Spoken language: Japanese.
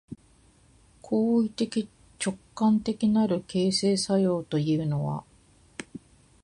行為的直観的なる形成作用というのは、